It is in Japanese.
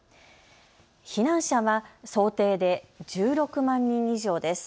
避難者は想定で１６万人以上です。